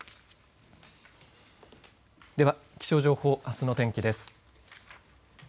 では、気象情報あすの天気です。